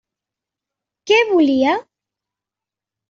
Què volia?